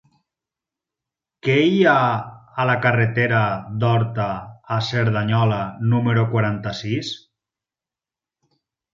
Què hi ha a la carretera d'Horta a Cerdanyola número quaranta-sis?